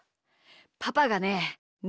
パパがねみ